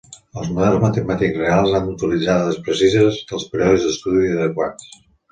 Els models matemàtics reals han d'utilitzar dades precises de períodes d'estudi adequats.